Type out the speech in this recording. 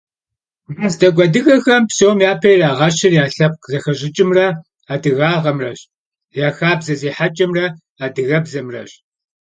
Мэздэгу адыгэхэм псом япэ ирагъэщыр я лъэпкъ зэхэщӏыкӏымрэ адыгагъэмрэщ, я хабзэ зехьэкӏэмрэ адыгэбзэмрэщ.